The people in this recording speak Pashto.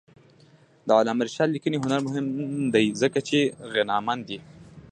د علامه رشاد لیکنی هنر مهم دی ځکه چې غنامند دی.